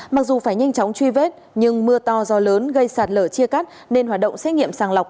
mặc dù phải nhanh chóng truy vết nhưng mưa to gió lớn gây sạt lở chia cắt nên hoạt động xét nghiệm sàng lọc